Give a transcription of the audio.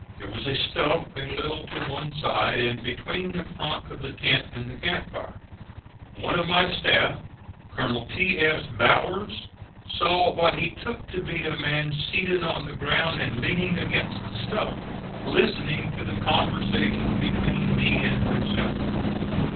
There was a stump a little to one side, and between the front of the tent and camp fire. One of my staff, Colonel T. S. Bowers, saw what he took to be a man seated on the ground and leaning against the stump, listening to the conversation between Meade and myself.